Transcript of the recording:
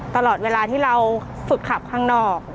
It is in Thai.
ตลอดเวลาที่เราฝึกขับข้างนอก